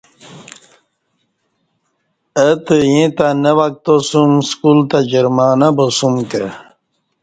اتہ ییں تہ ٹݣہ وکتاسوم سکول تہ جرمانہ بسوم کہ